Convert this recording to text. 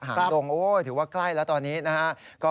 หางดงถือว่าใกล้แล้วตอนนี้นะครับ